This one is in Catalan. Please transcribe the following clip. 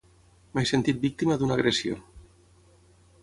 M'he sentit víctima d'una agressió